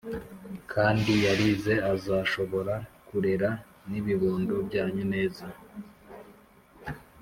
kandi yarize azashobora kurera n’ibibondo byanyu neza